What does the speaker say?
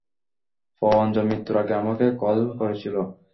প্রভাঞ্জন মৃত্যুর আগে আমাকে কল করেছিল।